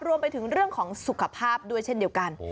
รวมไปถึงเรื่องของสุขภาพด้วยเช่นเดียวกัน